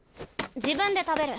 自分で食べる。